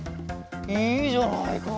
いいじゃないか。